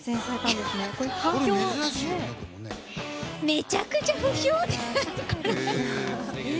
めちゃくちゃ不評で！